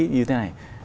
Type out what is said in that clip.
như thế này